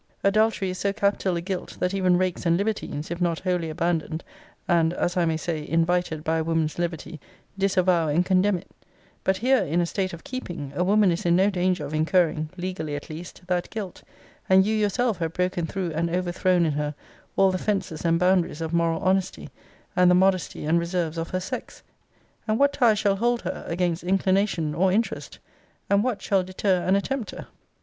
Adultery is so capital a guilt, that even rakes and libertines, if not wholly abandoned, and as I may say, invited by a woman's levity, disavow and condemn it: but here, in a state of KEEPING, a woman is in no danger of incurring (legally, at least) that guilt; and you yourself have broken through and overthrown in her all the fences and boundaries of moral honesty, and the modesty and reserves of her sex: And what tie shall hold her against inclination, or interest? And what shall deter an attempter?